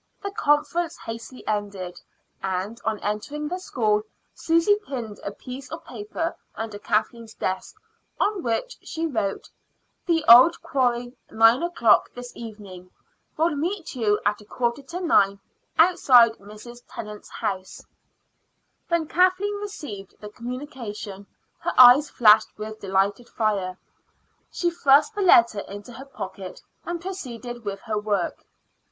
The conference hastily ended, and on entering the school Susy pinned a piece of paper under Kathleen's desk, on which she wrote: "The old quarry; nine o'clock this evening. Will meet you at a quarter to nine outside Mrs. Tennant's house." When Kathleen received the communication her eyes flashed with delighted fire. She thrust the letter into her pocket and proceeded with her work.